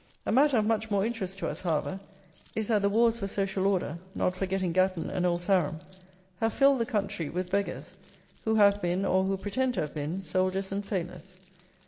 A matter of much more interest to us, however, is that the wars for "social order," not forgetting Gatton and Old Sarum, have filled the country with beggars, who have been, or who pretend to have been, soldiers and sailors.